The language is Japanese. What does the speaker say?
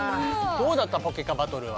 どうだったポケカバトルは？